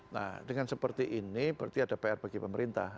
nah dengan seperti ini berarti ada pr bagi pemerintah